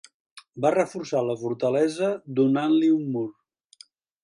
Va reforçar la fortalesa, donant-li un mur.